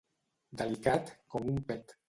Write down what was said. Delicat com un pet.